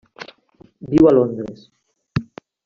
Viu a Londres.